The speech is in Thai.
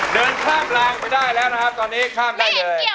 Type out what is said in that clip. เดินข้ามรางไปได้แล้วนะครับตอนนี้ข้ามได้เลย